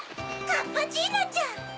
カッパチーノちゃん。